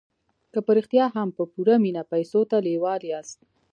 که په رښتیا هم په پوره مينه پيسو ته لېوال ياست.